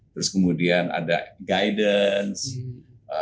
terus kemudian ada guidance